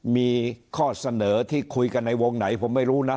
มีข้อเสนอที่คุยกันในวงไหนผมไม่รู้นะ